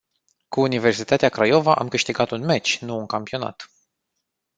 Cu Universitatea Craiova am câștigat un meci, nu un campionat.